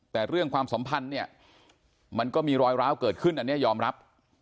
แต่เรื่องความสัมพันธ์เนี่ยมันก็มีรอยร้าวเกิดขึ้นอันนี้ยอมรับ